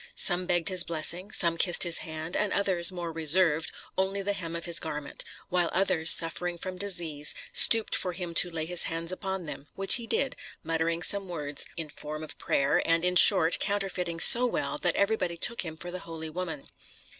Some begged his blessing, some kissed his hand, and others, more reserved, only the hem of his garment; while others, suffering from disease, stooped for him to lay his hands upon them, which he did, muttering some words in form of prayer, and, in short, counterfeiting so well that everybody took him for the holy woman.